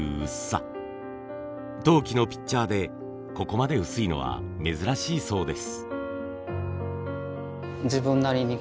陶器のピッチャーでここまで薄いのは珍しいそうです。